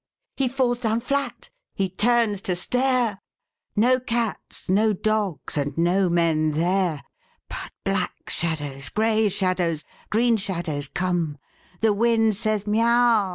He falls down flat. H)e turns to stare — No cats, no dogs, and no men there. But black shadows, grey shadows, green shadows come. The wind says, " Miau